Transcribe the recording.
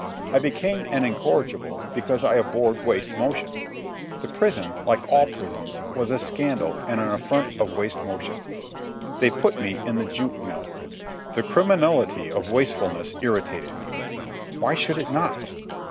I became an incorrigible because I abhorred waste motion. The prison, like all prisons, was a scandal and an affront of waste motion. They put me in the jute mill. The criminality of wastefulness irritated me. Why should it not?